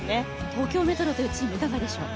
東京メトロというチームいかがでしょう？